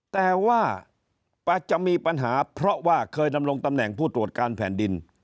แต่ว่าจะมีปัญหาเพราะว่าเคยดำรงตำแหน่งผู้ตรวจการแผ่นดิน